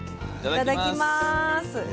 いただきます。